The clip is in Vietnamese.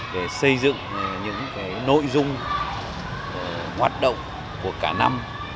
để xây dựng những nội dung hoạt động của cả năm